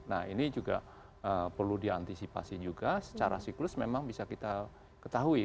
nah ini juga perlu diantisipasi juga secara siklus memang bisa kita ketahui